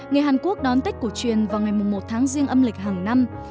người hàn quốc đón tết cổ truyền vào ngày một tháng riêng âm lịch hàng năm